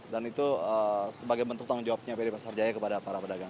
dan itu sebagai bentuk tanggung jawabnya pd pasar jaya kepada para pedagang